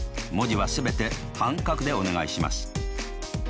文字は全て半角でお願いします。